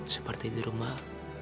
seperti di rumah